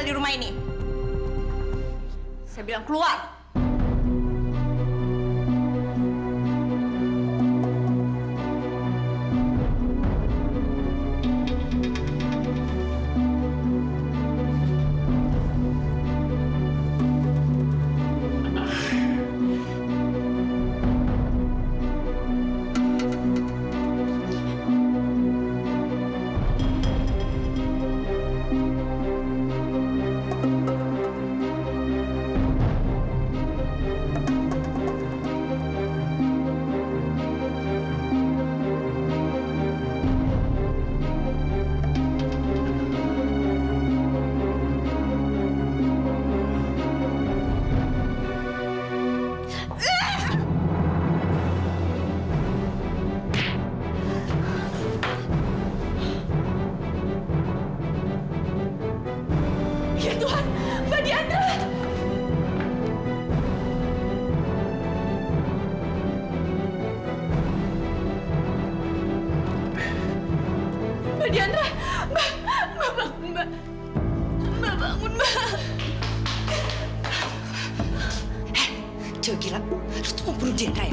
sampai jumpa di video selanjutnya